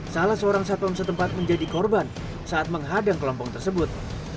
salah seorang satwa setempat menjadi korban saat menghadang kelompok tersebut